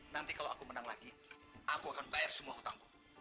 nanti kalau aku menang lagi aku akan